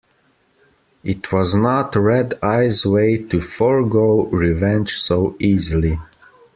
It was not Red-Eye's way to forego revenge so easily.